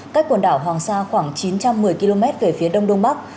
cách quần đảo hoàng sa khoảng chín trăm một mươi km về phía đông đông bắc